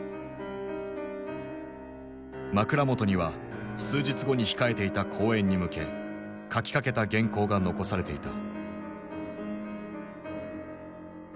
枕元には数日後に控えていた講演に向け書きかけた原稿が残されていた。